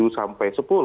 tujuh sampai sepuluh